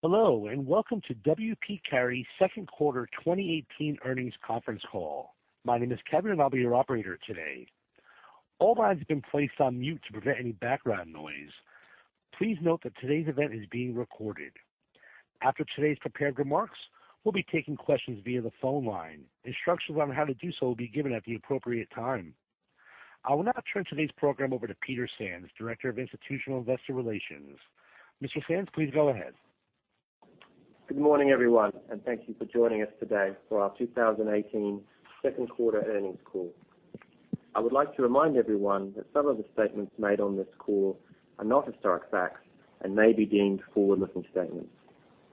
Hello, welcome to W. P. Carey second quarter 2018 earnings conference call. My name is Kevin, and I'll be your operator today. All lines have been placed on mute to prevent any background noise. Please note that today's event is being recorded. After today's prepared remarks, we'll be taking questions via the phone line. Instructions on how to do so will be given at the appropriate time. I will now turn today's program over to Peter Sands, Director of Institutional Investor Relations. Mr. Sands, please go ahead. Good morning, everyone, thank you for joining us today for our 2018 second quarter earnings call. I would like to remind everyone that some of the statements made on this call are not historic facts and may be deemed forward-looking statements.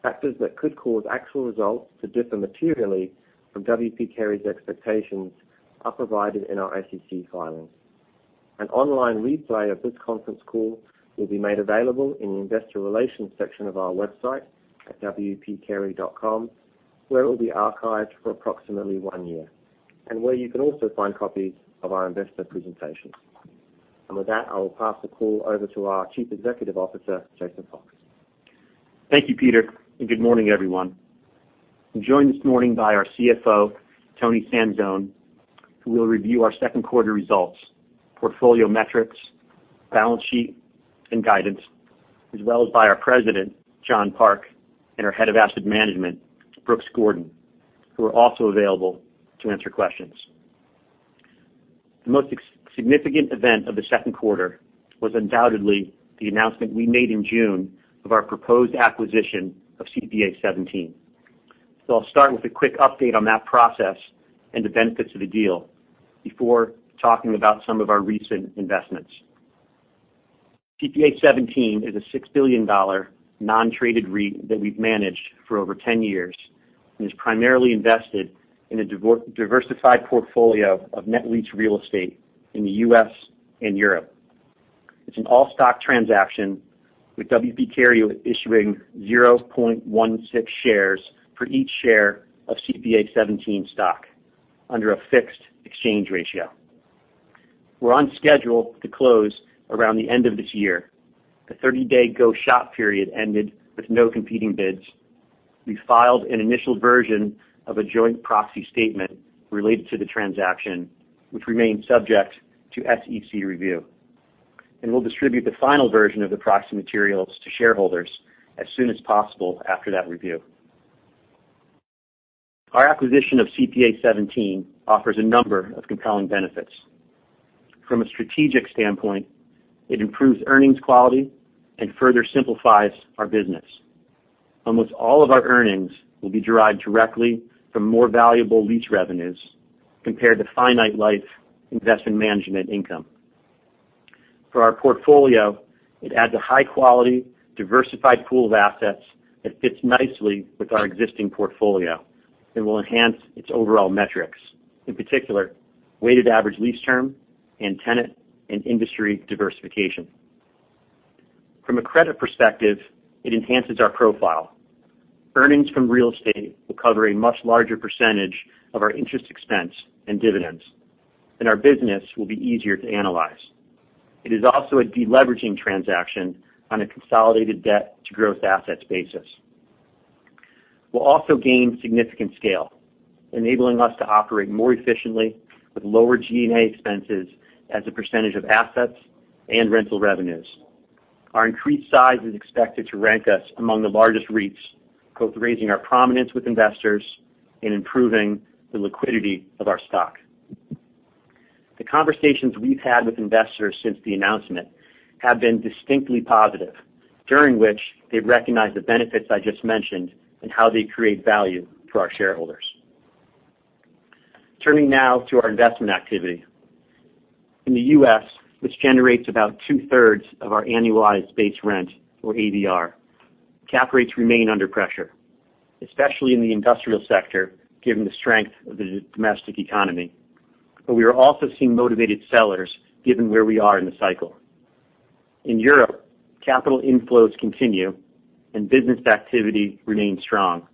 Factors that could cause actual results to differ materially from W. P. Carey's expectations are provided in our SEC filings. An online replay of this conference call will be made available in the investor relations section of our website at wpcarey.com, where it will be archived for approximately one year, and where you can also find copies of our investor presentations. With that, I will pass the call over to our Chief Executive Officer, Jason Fox. Thank you, Peter, good morning, everyone. I'm joined this morning by our CFO, Toni Sanzone, who will review our second quarter results, portfolio metrics, balance sheet, and guidance, as well as by our President, John Park, and our Head of Asset Management, Brooks Gordon, who are also available to answer questions. The most significant event of the second quarter was undoubtedly the announcement we made in June of our proposed acquisition of CPA:17. I'll start with a quick update on that process and the benefits of the deal before talking about some of our recent investments. CPA:17 is a $6 billion non-traded REIT that we've managed for over 10 years and is primarily invested in a diversified portfolio of net lease real estate in the U.S. and Europe. It's an all-stock transaction with W. P. Carey issuing 0.16 shares for each share of CPA:17 stock under a fixed exchange ratio. We're on schedule to close around the end of this year. The 30-day go-shop period ended with no competing bids. We filed an initial version of a joint proxy statement related to the transaction, which remains subject to SEC review. We'll distribute the final version of the proxy materials to shareholders as soon as possible after that review. Our acquisition of CPA:17 offers a number of compelling benefits. From a strategic standpoint, it improves earnings quality and further simplifies our business. Almost all of our earnings will be derived directly from more valuable lease revenues compared to finite life investment management income. For our portfolio, it adds a high-quality, diversified pool of assets that fits nicely with our existing portfolio and will enhance its overall metrics, in particular, weighted average lease term and tenant and industry diversification. From a credit perspective, it enhances our profile. Earnings from real estate will cover a much larger percentage of our interest expense and dividends, and our business will be easier to analyze. It is also a deleveraging transaction on a consolidated debt to growth assets basis. We will also gain significant scale, enabling us to operate more efficiently with lower G&A expenses as a percentage of assets and rental revenues. Our increased size is expected to rank us among the largest REITs, both raising our prominence with investors and improving the liquidity of our stock. The conversations we've had with investors since the announcement have been distinctly positive, during which they've recognized the benefits I just mentioned and how they create value for our shareholders. Turning now to our investment activity. In the U.S., which generates about two-thirds of our annualized base rent or ADR, cap rates remain under pressure, especially in the industrial sector, given the strength of the domestic economy. We are also seeing motivated sellers given where we are in the cycle. In Europe, capital inflows continue, and business activity remains strong.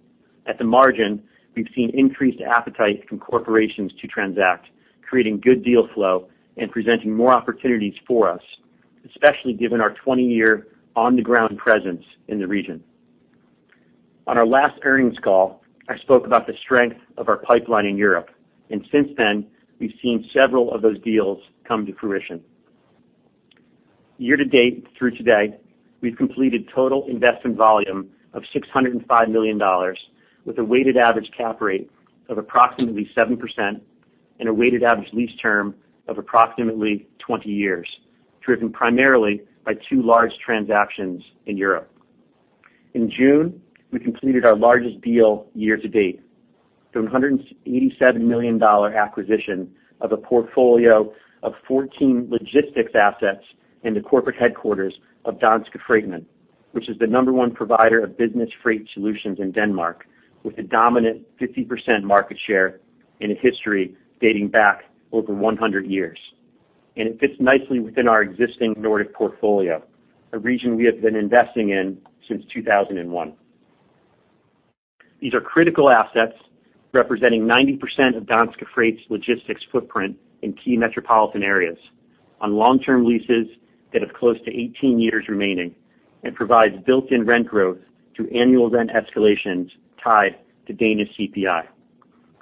At the margin, we've seen increased appetite from corporations to transact, creating good deal flow and presenting more opportunities for us, especially given our 20-year on-the-ground presence in the region. On our last earnings call, I spoke about the strength of our pipeline in Europe, since then, we've seen several of those deals come to fruition. Year to date through today, we've completed total investment volume of $605 million with a weighted average cap rate of approximately 7% and a weighted average lease term of approximately 20 years, driven primarily by two large transactions in Europe. In June, we completed our largest deal year to date, the $187 million acquisition of a portfolio of 14 logistics assets in the corporate headquarters of Danske Fragtmænd, which is the number 1 provider of business freight solutions in Denmark with a dominant 50% market share and a history dating back over 100 years. It fits nicely within our existing Nordic portfolio, a region we have been investing in since 2001. These are critical assets representing 90% of Danske Fragtmænd's logistics footprint in key metropolitan areas on long-term leases that have close to 18 years remaining and provides built-in rent growth through annual rent escalations tied to Danish CPI.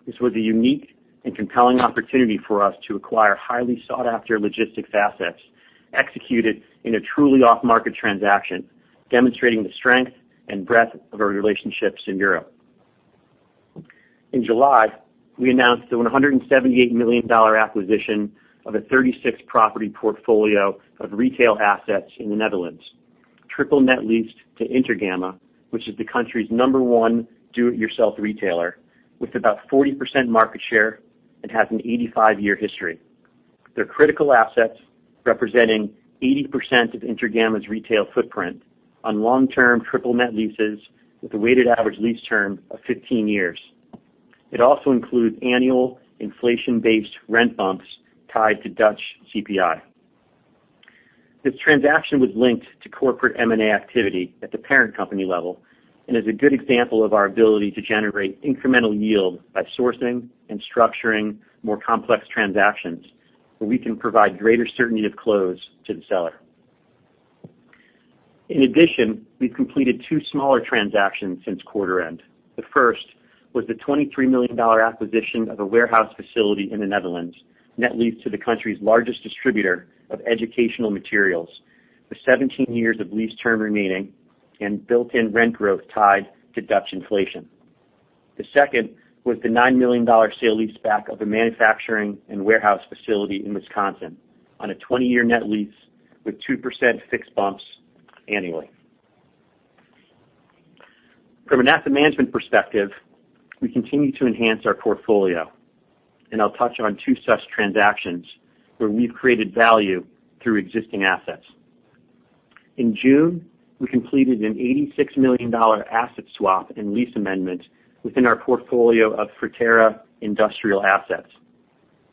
This was a unique and compelling opportunity for us to acquire highly sought-after logistics assets executed in a truly off-market transaction, demonstrating the strength and breadth of our relationships in Europe. In July, we announced the $178 million acquisition of a 36-property portfolio of retail assets in the Netherlands, triple net leased to Intergamma, which is the country's number 1 do-it-yourself retailer with about 40% market share and has an 85-year history. They are critical assets representing 80% of Intergamma's retail footprint on long-term triple net leases with a weighted average lease term of 15 years. It also includes annual inflation-based rent bumps tied to Dutch CPI. This transaction was linked to corporate M&A activity at the parent company level and is a good example of our ability to generate incremental yield by sourcing and structuring more complex transactions where we can provide greater certainty of close to the seller. In addition, we've completed two smaller transactions since quarter end. The first was the $23 million acquisition of a warehouse facility in the Netherlands, net leased to the country's largest distributor of educational materials, with 17 years of lease term remaining and built-in rent growth tied to Dutch inflation. The second was the $9 million sale leaseback of a manufacturing and warehouse facility in Wisconsin on a 20-year net lease with 2% fixed bumps annually. From an asset management perspective, we continue to enhance our portfolio, and I'll touch on two such transactions where we've created value through existing assets. In June, we completed an $86 million asset swap and lease amendment within our portfolio of Forterra industrial assets.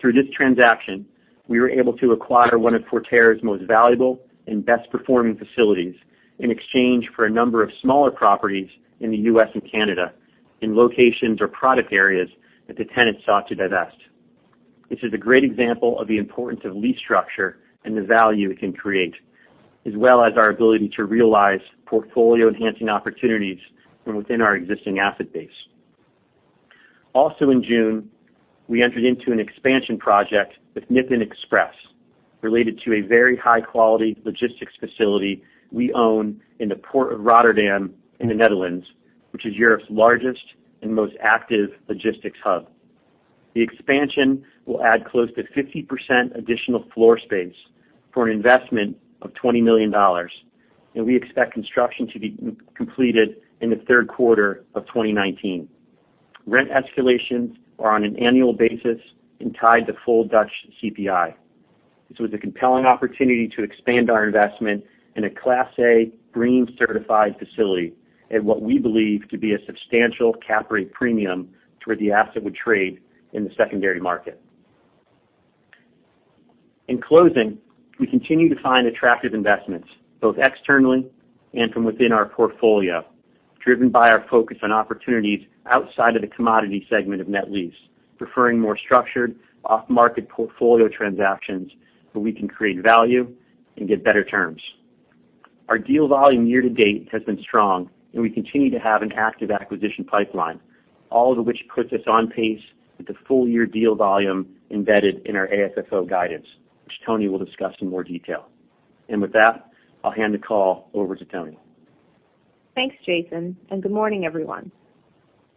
Through this transaction, we were able to acquire one of Forterra's most valuable and best-performing facilities in exchange for a number of smaller properties in the U.S. and Canada in locations or product areas that the tenant sought to divest. This is a great example of the importance of lease structure and the value it can create, as well as our ability to realize portfolio-enhancing opportunities from within our existing asset base. Also in June, we entered into an expansion project with Nippon Express related to a very high-quality logistics facility we own in the Port of Rotterdam in the Netherlands, which is Europe's largest and most active logistics hub. The expansion will add close to 50% additional floor space for an investment of $20 million, and we expect construction to be completed in the third quarter of 2019. Rent escalations are on an annual basis and tied to full Dutch CPI. This was a compelling opportunity to expand our investment in a Class A green certified facility at what we believe to be a substantial cap rate premium to where the asset would trade in the secondary market. In closing, we continue to find attractive investments both externally and from within our portfolio, driven by our focus on opportunities outside of the commodity segment of net lease, preferring more structured off-market portfolio transactions where we can create value and get better terms. Our deal volume year to date has been strong, and we continue to have an active acquisition pipeline, all of which puts us on pace with the full-year deal volume embedded in our AFFO guidance, which Toni will discuss in more detail. With that, I'll hand the call over to Toni. Thanks, Jason. Good morning, everyone.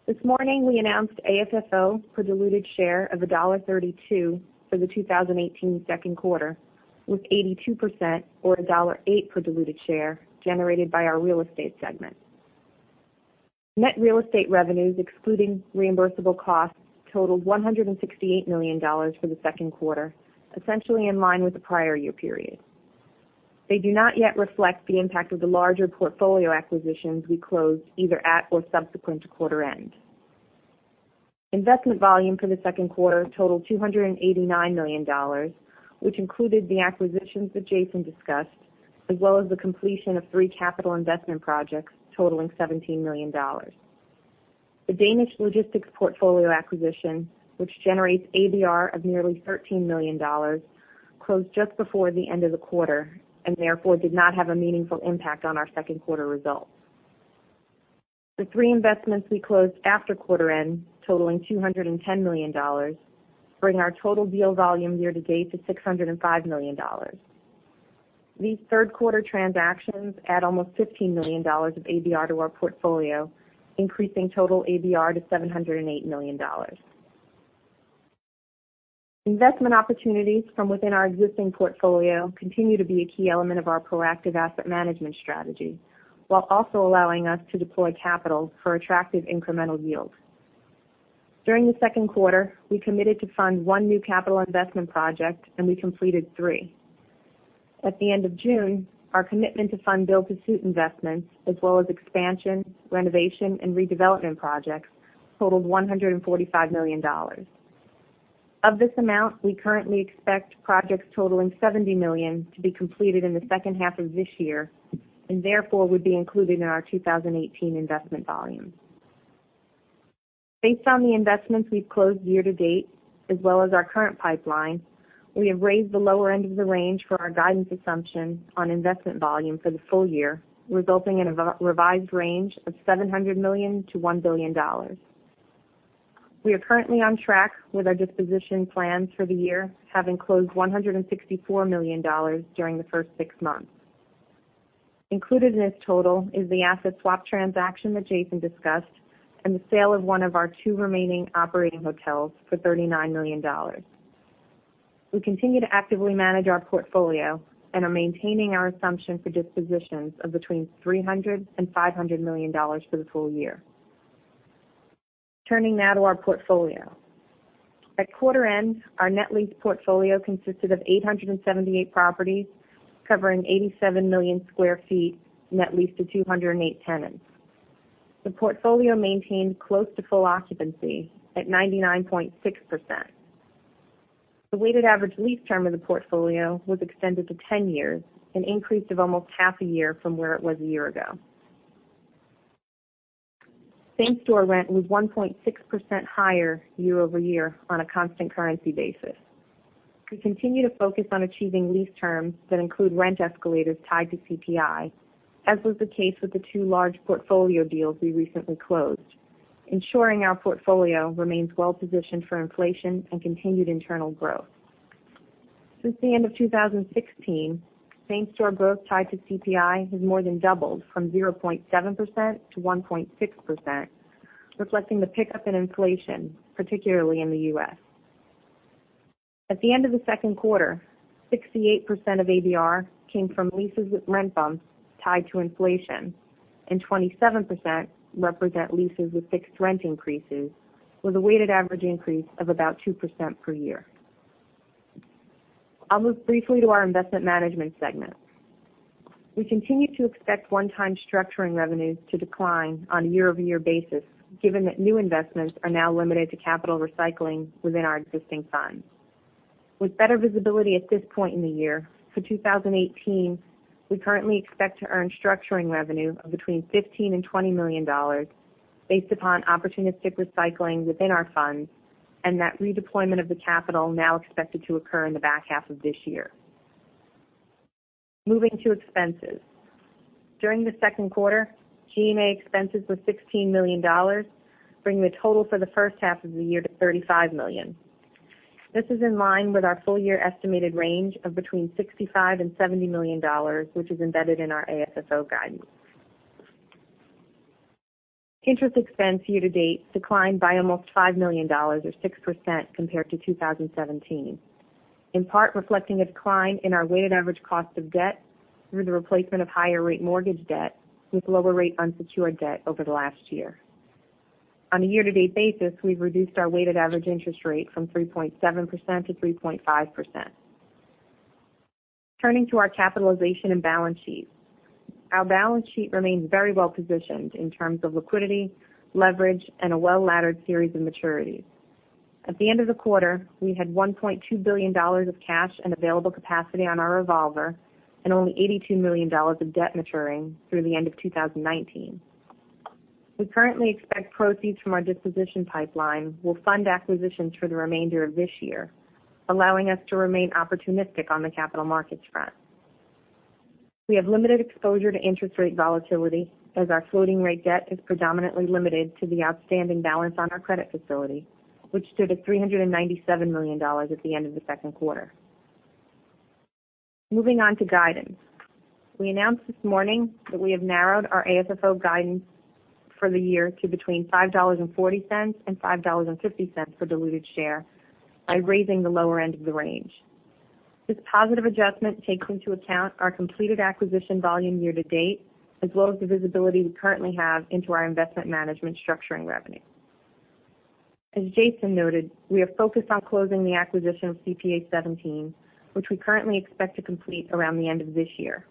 This morning we announced AFFO per diluted share of $1.32 for the 2018 second quarter, with 82%, or $1.08 per diluted share, generated by our real estate segment. Net real estate revenues excluding reimbursable costs totaled $168 million for the second quarter, essentially in line with the prior year period. They do not yet reflect the impact of the larger portfolio acquisitions we closed either at or subsequent to quarter end. Investment volume for the second quarter totaled $289 million, which included the acquisitions that Jason discussed, as well as the completion of three capital investment projects totaling $17 million. The Danish logistics portfolio acquisition, which generates ADR of nearly $13 million, closed just before the end of the quarter and therefore did not have a meaningful impact on our second quarter results. The three investments we closed after quarter end, totaling $210 million, bring our total deal volume year to date to $605 million. These third quarter transactions add almost $15 million of ADR to our portfolio, increasing total ADR to $708 million. Investment opportunities from within our existing portfolio continue to be a key element of our proactive asset management strategy, while also allowing us to deploy capital for attractive incremental yield. During the second quarter, we committed to fund one new capital investment project, and we completed three. At the end of June, our commitment to fund build-to-suit investments as well as expansion, renovation, and redevelopment projects totaled $145 million. Of this amount, we currently expect projects totaling $70 million to be completed in the second half of this year, and therefore, would be included in our 2018 investment volume. Based on the investments we've closed year to date, as well as our current pipeline, we have raised the lower end of the range for our guidance assumption on investment volume for the full year, resulting in a revised range of $700 million to $1 billion. We are currently on track with our disposition plans for the year, having closed $164 million during the first six months. Included in this total is the asset swap transaction that Jason discussed and the sale of one of our two remaining operating hotels for $39 million. We continue to actively manage our portfolio and are maintaining our assumption for dispositions of between $300 million and $500 million for the full year. Turning now to our portfolio. At quarter end, our net lease portfolio consisted of 878 properties covering 87 million square feet net leased to 208 tenants. The portfolio maintained close to full occupancy at 99.6%. The weighted average lease term of the portfolio was extended to 10 years, an increase of almost half a year from where it was a year ago. Same-store rent was 1.6% higher year-over-year on a constant currency basis. We continue to focus on achieving lease terms that include rent escalators tied to CPI, as was the case with the two large portfolio deals we recently closed, ensuring our portfolio remains well positioned for inflation and continued internal growth. Since the end of 2016, same-store growth tied to CPI has more than doubled from 0.7% to 1.6%, reflecting the pickup in inflation, particularly in the U.S. At the end of the second quarter, 68% of ABR came from leases with rent bumps tied to inflation, and 22% represent leases with fixed rent increases, with a weighted average increase of about 2% per year. I'll move briefly to our Investment Management segment. We continue to expect one-time structuring revenues to decline on a year-over-year basis, given that new investments are now limited to capital recycling within our existing funds. With better visibility at this point in the year, for 2018, we currently expect to earn structuring revenue of between $15 million and $20 million based upon opportunistic recycling within our funds, and that redeployment of the capital now expected to occur in the back half of this year. Moving to expenses. During the second quarter, G&A expenses were $16 million, bringing the total for the first half of the year to $35 million. This is in line with our full-year estimated range of between $65 million and $70 million, which is embedded in our AFFO guidance. Interest expense year-to-date declined by almost $5 million or 6% compared to 2017, in part reflecting a decline in our weighted average cost of debt through the replacement of higher rate mortgage debt with lower rate unsecured debt over the last year. On a year-to-date basis, we've reduced our weighted average interest rate from 3.7%-3.5%. Turning to our capitalization and balance sheet. Our balance sheet remains very well positioned in terms of liquidity, leverage, and a well-laddered series of maturities. At the end of the quarter, we had $1.2 billion of cash and available capacity on our revolver and only $82 million of debt maturing through the end of 2019. We currently expect proceeds from our disposition pipeline will fund acquisitions for the remainder of this year, allowing us to remain opportunistic on the capital markets front. We have limited exposure to interest rate volatility as our floating rate debt is predominantly limited to the outstanding balance on our credit facility, which stood at $397 million at the end of the second quarter. Moving on to guidance. We announced this morning that we have narrowed our AFFO guidance for the year to between $5.40 and $5.50 per diluted share by raising the lower end of the range. This positive adjustment takes into account our completed acquisition volume year-to-date, as well as the visibility we currently have into our Investment Management structuring revenue. As Jason noted, we are focused on closing the acquisition of CPA:17, which we currently expect to complete around the end of this year.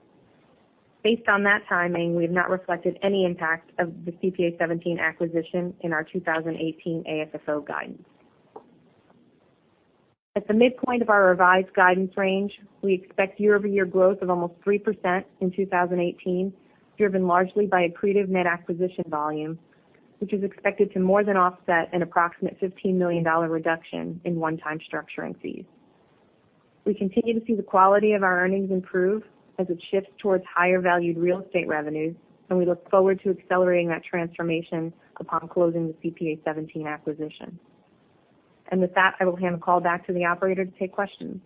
Based on that timing, we have not reflected any impact of the CPA:17 acquisition in our 2018 AFFO guidance. At the midpoint of our revised guidance range, we expect year-over-year growth of almost 3% in 2018, driven largely by accretive net acquisition volume, which is expected to more than offset an approximate $15 million reduction in one-time structuring fees. We continue to see the quality of our earnings improve as it shifts towards higher valued real estate revenues. We look forward to accelerating that transformation upon closing the CPA:17 acquisition. With that, I will hand the call back to the operator to take questions.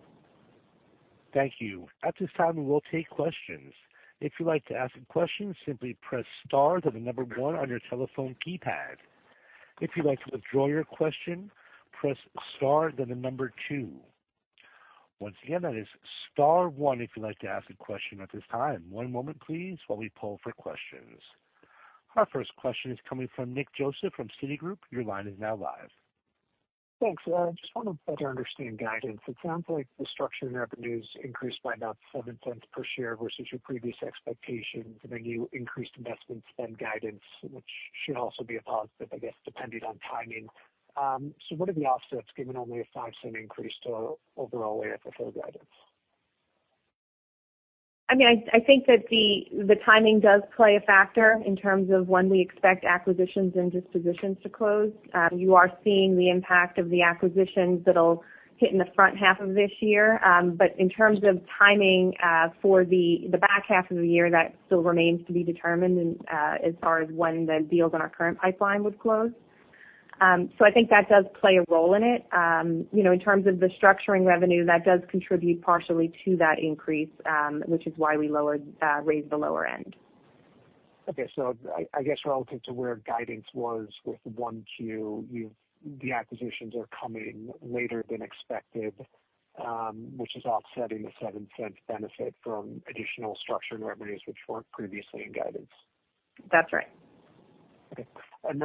Thank you. At this time, we will take questions. If you'd like to ask a question, simply press star then the number 1 on your telephone keypad. If you'd like to withdraw your question, press star then the number 2. Once again, that is star one if you'd like to ask a question at this time. One moment, please, while we poll for questions. Our first question is coming from Nick Joseph from Citigroup. Your line is now live. Thanks. I just want to better understand guidance. It sounds like the structuring revenues increased by about $0.07 per share versus your previous expectations, and then you increased investment spend guidance, which should also be a positive, I guess, depending on timing. What are the offsets given only a $0.05 increase to overall AFFO guidance? I think that the timing does play a factor in terms of when we expect acquisitions and dispositions to close. You are seeing the impact of the acquisitions that'll hit in the front half of this year. In terms of timing for the back half of the year, that still remains to be determined as far as when the deals in our current pipeline would close. I think that does play a role in it. In terms of the structuring revenue, that does contribute partially to that increase, which is why we raised the lower end. Okay. I guess relative to where guidance was with 1Q, the acquisitions are coming later than expected, which is offsetting the $0.07 benefit from additional structured revenues, which weren't previously in guidance. That's right. Okay. Just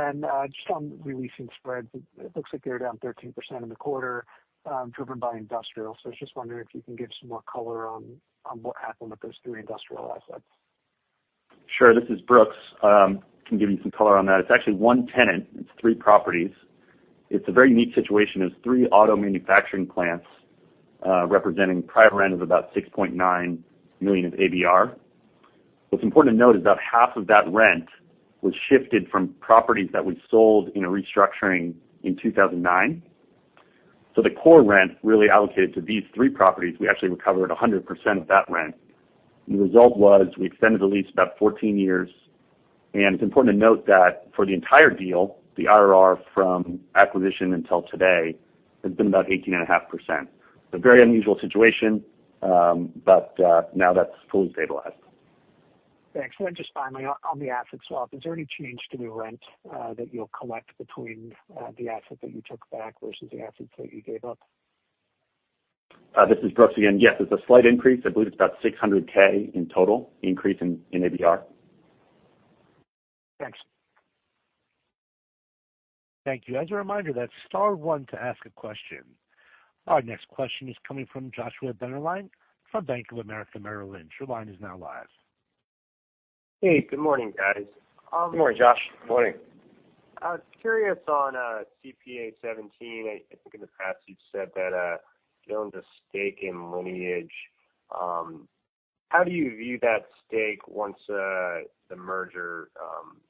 on re-leasing spreads, it looks like they're down 13% in the quarter, driven by industrial. I was just wondering if you can give some more color on what happened with those three industrial assets. Sure. This is Brooks. Can give you some color on that. It's actually one tenant, it's three properties. It's a very unique situation. It's three auto manufacturing plants, representing private rent of about $6.9 million of ABR. What's important to note is about half of that rent was shifted from properties that we sold in a restructuring in 2009. The core rent really allocated to these three properties. We actually recovered 100% of that rent. The result was we extended the lease about 14 years. It's important to note that for the entire deal, the IRR from acquisition until today has been about 18.5%. A very unusual situation, now that's fully stabilized. Thanks. Just finally, on the asset swap, is there any change to the rent that you'll collect between the asset that you took back versus the asset that you gave up? This is Brooks again. Yes, there's a slight increase. I believe it's about $600K in total increase in ABR. Thanks. Thank you. As a reminder, that's star one to ask a question. Our next question is coming from Joshua Dennerlein from Bank of America Merrill Lynch. Your line is now live. Hey, good morning, guys. Good morning, Josh. Good morning. I was curious on CPA:17. I think in the past you've said that you own the stake in Lineage. How do you view that stake once the merger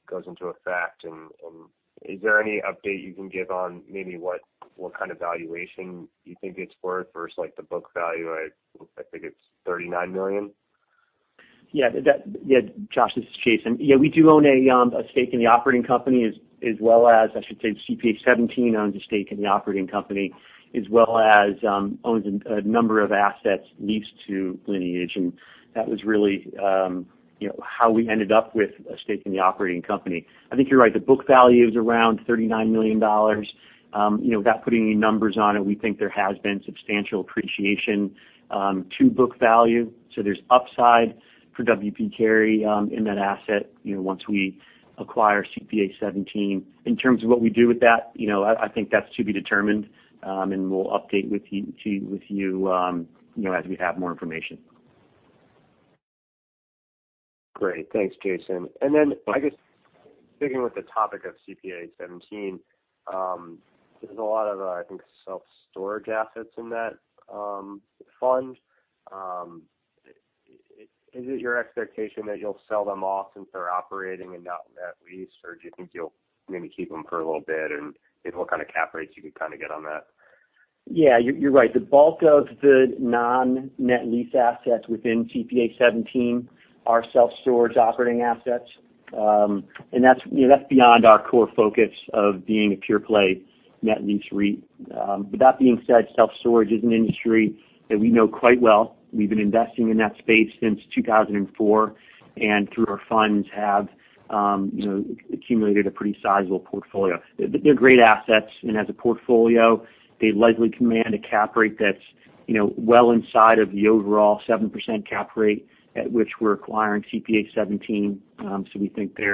goes into effect, and is there any update you can give on maybe what kind of valuation you think it's worth versus like the book value at, I think it's $39 million? Josh, this is Jason. We do own a stake in the operating company as well as, I should say, CPA:17 owns a stake in the operating company, as well as owns a number of assets leased to Lineage. That was really how we ended up with a stake in the operating company. I think you're right. The book value is around $39 million. Without putting any numbers on it, we think there has been substantial appreciation to book value. There's upside for W. P. Carey in that asset, once we acquire CPA:17. In terms of what we do with that, I think that's to be determined, and we'll update with you as we have more information. Great. Thanks, Jason. I guess sticking with the topic of CPA:17, there's a lot of, I think, self-storage assets in that fund. Is it your expectation that you'll sell them off since they're operating and not net leased, or do you think you'll maybe keep them for a little bit, and what kind of cap rates you could kind of get on that? You're right. The bulk of the non-net lease assets within CPA:17 are self-storage operating assets. That's beyond our core focus of being a pure play net lease REIT. With that being said, self-storage is an industry that we know quite well. We've been investing in that space since 2004, and through our funds have accumulated a pretty sizable portfolio. They're great assets, and as a portfolio, they likely command a cap rate that's well inside of the overall 7% cap rate at which we're acquiring CPA:17. We think they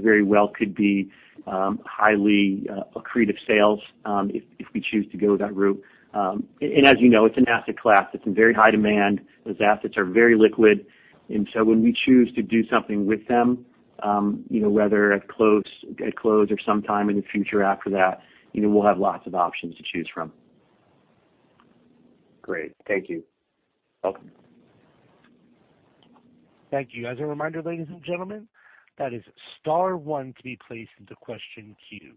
very well could be highly accretive sales if we choose to go that route. As you know, it's an asset class that's in very high demand. Those assets are very liquid. When we choose to do something with them, whether at close or sometime in the future after that, we'll have lots of options to choose from. Great. Thank you. Welcome. Thank you. As a reminder, ladies and gentlemen, that is star one to be placed into question queue.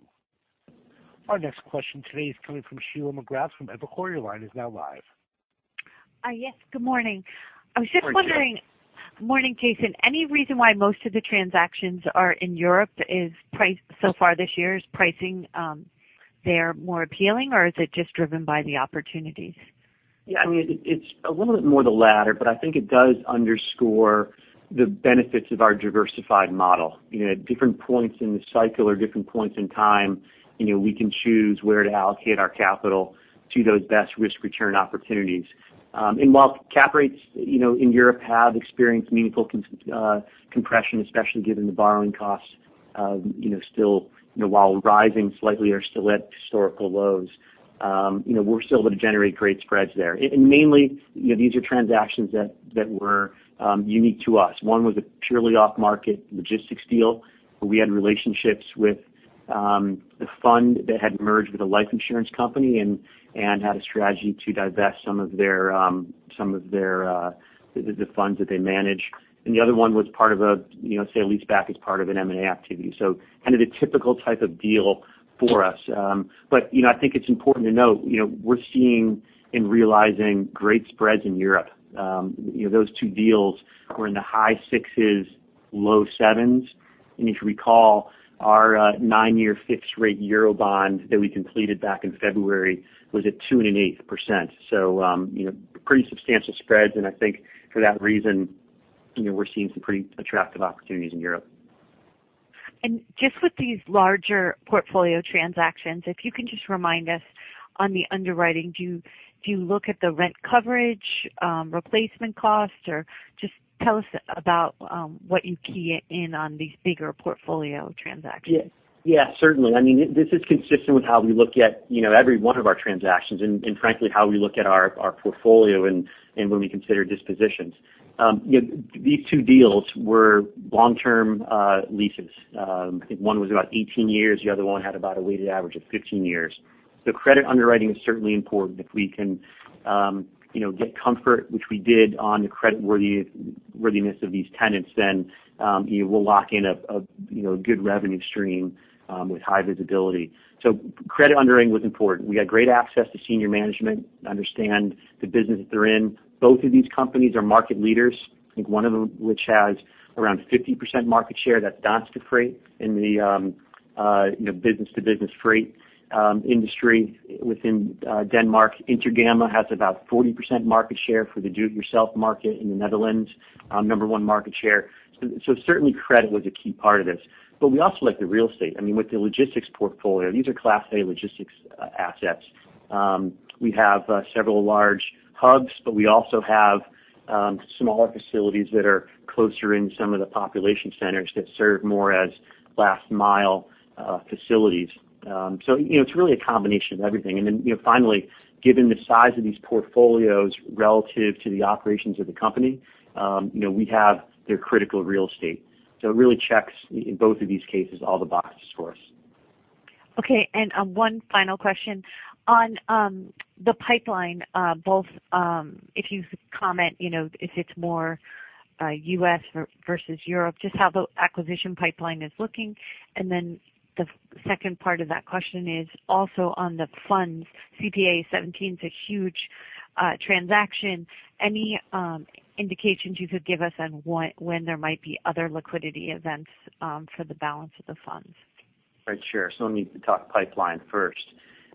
Our next question today is coming from Sheila McGrath from Evercore. Your line is now live. Yes, good morning. Hi, Sheila. Morning, Jason. Any reason why most of the transactions are in Europe so far this year? Is pricing there more appealing, or is it just driven by the opportunities? It's a little bit more the latter, but I think it does underscore the benefits of our diversified model. At different points in the cycle or different points in time, we can choose where to allocate our capital to those best risk-return opportunities. While cap rates in Europe have experienced meaningful compression, especially given the borrowing costs, while rising slightly, are still at historical lows. We're still able to generate great spreads there. Mainly, these are transactions that were unique to us. One was a purely off-market logistics deal, where we had relationships with The fund that had merged with a life insurance company and had a strategy to divest some of the funds that they manage. The other one was part of a sale leaseback as part of an M&A activity. Kind of the typical type of deal for us. I think it's important to note, we're seeing and realizing great spreads in Europe. Those 2 deals were in the high sixes, low sevens. If you recall, our 9-year fixed rate Eurobond that we completed back in February was at 2.8%. Pretty substantial spreads, and I think for that reason, we're seeing some pretty attractive opportunities in Europe. Just with these larger portfolio transactions, if you can just remind us on the underwriting. Do you look at the rent coverage, replacement cost? Just tell us about what you key in on these bigger portfolio transactions. Certainly. This is consistent with how we look at every one of our transactions, and frankly, how we look at our portfolio and when we consider dispositions. These two deals were long-term leases. I think one was about 18 years, the other one had about a weighted average of 15 years. Credit underwriting is certainly important. If we can get comfort, which we did, on the creditworthiness of these tenants, then we'll lock in a good revenue stream with high visibility. Credit underwriting was important. We had great access to senior management, understand the business that they're in. Both of these companies are market leaders. I think one of them, which has around 50% market share, that's Danske Fragtmænd in the business-to-business freight industry within Denmark. Intergamma has about 40% market share for the do-it-yourself market in the Netherlands, number one market share. Certainly credit was a key part of this. We also like the real estate. With the logistics portfolio, these are Class A logistics assets. We have several large hubs, but we also have smaller facilities that are closer in some of the population centers that serve more as last-mile facilities. It's really a combination of everything. Then finally, given the size of these portfolios relative to the operations of the company, we have their critical real estate. It really checks, in both of these cases, all the boxes for us. One final question. On the pipeline both, if you could comment, if it's more U.S. versus Europe, just how the acquisition pipeline is looking. Then the second part of that question is also on the funds. CPA:17 is a huge transaction. Any indications you could give us on when there might be other liquidity events for the balance of the funds? Right. Sure. Let me talk pipeline first.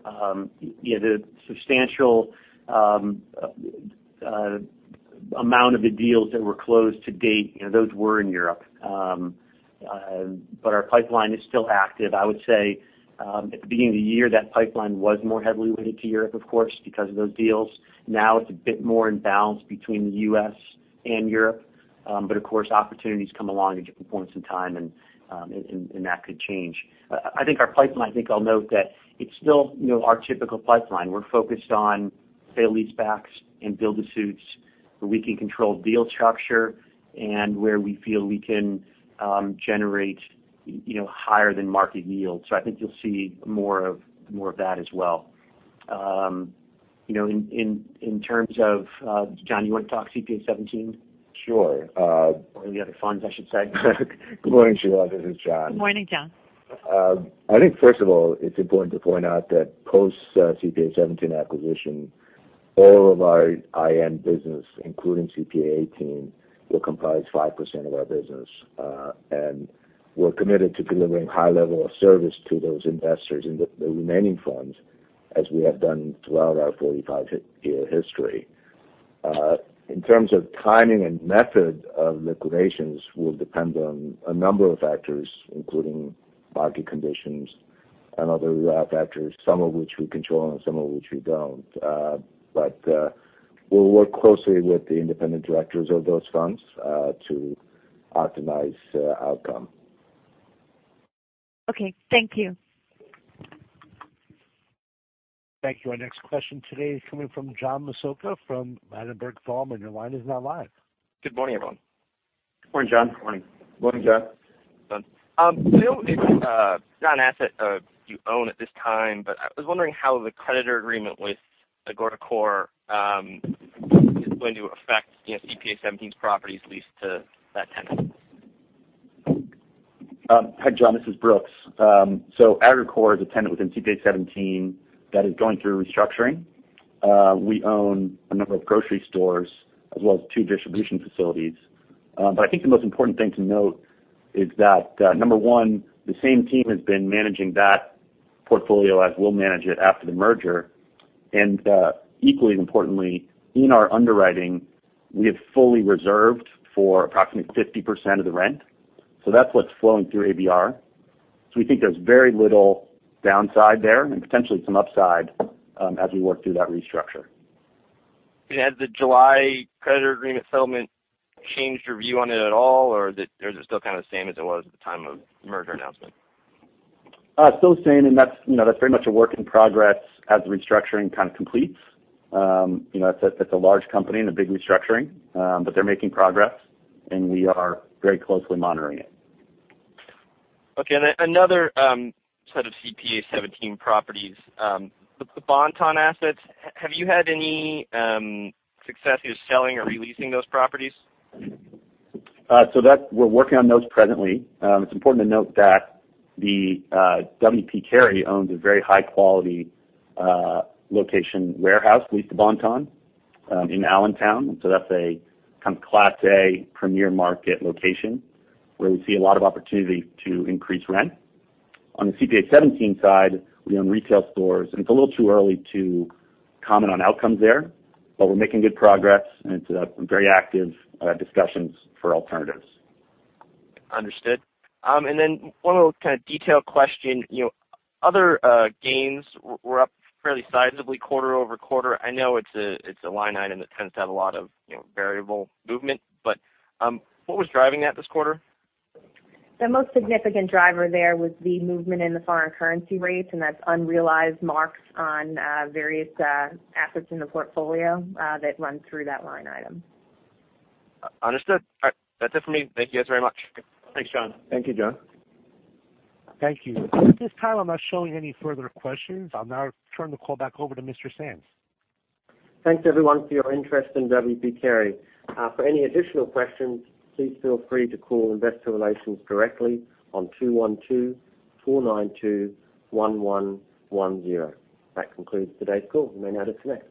The substantial amount of the deals that were closed to date, those were in Europe. Our pipeline is still active. I would say at the beginning of the year, that pipeline was more heavily weighted to Europe, of course, because of those deals. Now it's a bit more in balance between the U.S. and Europe. Of course, opportunities come along at different points in time, and that could change. I think our pipeline, I think I'll note that it's still our typical pipeline. We're focused on sale leaseback and build-to-suit where we can control deal structure and where we feel we can generate higher than market yield. I think you'll see more of that as well. John, you want to talk CPA:17? Sure. The other funds, I should say. Good morning, Sheila. This is John. Good morning, John. First of all, it's important to point out that post CPA:17 acquisition, all of our IM business, including CPA:18, will comprise 5% of our business. We're committed to delivering high level of service to those investors in the remaining funds, as we have done throughout our 45-year history. In terms of timing and method of liquidations will depend on a number of factors, including market conditions and other factors, some of which we control and some of which we don't. We'll work closely with the independent directors of those funds to optimize outcome. Okay. Thank you. Thank you. Our next question today is coming from John Massocca from Ladenburg Thalmann. Your line is now live. Good morning, everyone. Good morning, John. Morning. Morning, John. It's not an asset you own at this time, I was wondering how the creditor agreement with Agrokor is going to affect CPA:17's properties leased to that tenant. Hi, John. This is Brooks. Agrokor is a tenant within CPA:17 that is going through restructuring. We own a number of grocery stores as well as two distribution facilities. I think the most important thing to note is that number 1, the same team has been managing that portfolio as we'll manage it after the merger. Equally importantly, in our underwriting, we have fully reserved for approximately 50% of the rent. That's what's flowing through ABR. We think there's very little downside there and potentially some upside as we work through that restructure. Has the July creditor agreement settlement changed your view on it at all? Or is it still kind of the same as it was at the time of merger announcement? Still the same, and that's very much a work in progress as the restructuring kind of completes. It's a large company and a big restructuring. They're making progress, and we are very closely monitoring it. Okay. Then another set of CPA:17 properties. The Bon-Ton assets, have you had any success either selling or re-leasing those properties? That we're working on those presently. It's important to note that W. P. Carey owns a very high-quality location warehouse leased to Bon-Ton in Allentown. That's a kind of Class A premier market location where we see a lot of opportunity to increase rent. On the CPA:17 side, we own retail stores, and it's a little too early to comment on outcomes there. We're making good progress, and it's very active discussions for alternatives. Understood. One little kind of detailed question. Other gains were up fairly sizably quarter-over-quarter. I know it's a line item that tends to have a lot of variable movement. What was driving that this quarter? The most significant driver there was the movement in the foreign currency rates, and that's unrealized marks on various assets in the portfolio that run through that line item. Understood. All right. That's it for me. Thank you guys very much. Thanks, John. Thank you, John. Thank you. At this time, I'm not showing any further questions. I'll now turn the call back over to Mr. Sands. Thanks everyone for your interest in W. P. Carey. For any additional questions, please feel free to call investor relations directly on 212-492-1110. That concludes today's call. You may now disconnect.